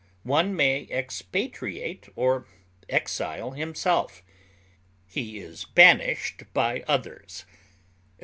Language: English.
One may expatriate or exile himself; he is banished by others.